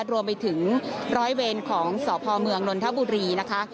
รวมไปถึงร้อยเวรของสพเมืองนนทบุรีนะคะ